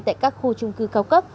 tại các khu trung cư cao cấp